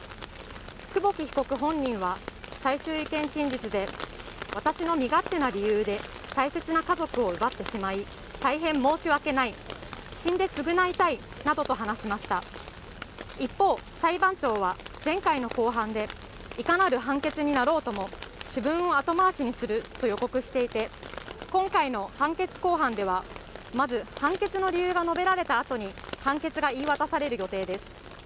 久保木被告本人は最終意見陳述で私の身勝手な理由で大切な家族を奪ってしまい大変申し訳ない死んで償いたいなどと話しました一方裁判長は前回の公判でいかなる判決になろうとも主文を後回しにすると予告していて今回の判決公判ではまず判決の理由が述べられたあとに判決が言い渡される予定です